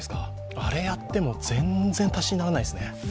あれやっても全然足しにならないですね。